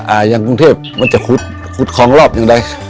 อ่าอยังกรุงเทพมันจะคุดคลองรอบอื่นไหม